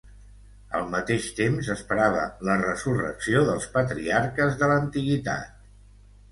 Al mateix temps esperava la resurrecció dels patriarques de l'antiguitat.